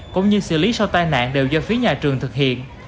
cũng như xử lý sau tai nạn đều do phía nhà trường thực hiện